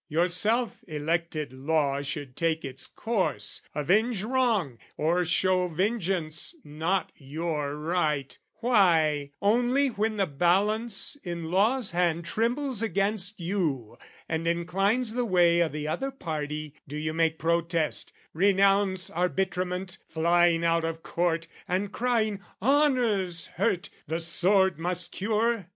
"Yourself elected law should take its course, "Avenge wrong, or show vengeance not your right; "Why, only when the balance in law's hand "Trembles against you and inclines the way "O' the other party, do you make protest, "Renounce arbitrament, flying out of court, "And crying 'Honour's hurt the sword must cure?'